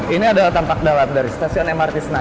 ini adalah tampak dalam dari stasiun mrt senaya